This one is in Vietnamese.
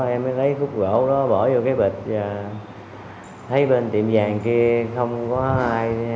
em mới lấy khúc gỗ đó bỏ vô cái bịt và thấy bên tiệm vàng kia không có ai